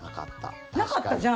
なかったじゃん？